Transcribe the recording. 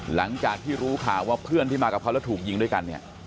หลังจากที่รู้ข่าวว่าเพื่อนที่มากับเขาแล้วถูกยิงด้วยกันเนี่ย